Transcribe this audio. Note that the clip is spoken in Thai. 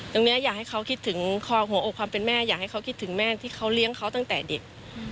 อยากให้เขาคิดถึงคอหัวอกความเป็นแม่อยากให้เขาคิดถึงแม่ที่เขาเลี้ยงเขาตั้งแต่เด็ก